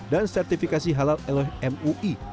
dan sertifikasi halal eloy mui